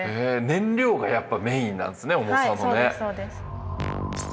燃料がやっぱメインなんですね重さのね。